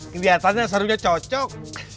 kediatannya serunya cocok